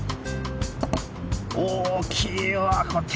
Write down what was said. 大きいわこの手。